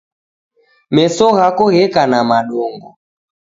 Meso ghako gheka na madongo